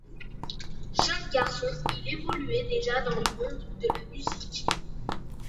Jeune garçon, il évoluait déjà dans le monde de la musique.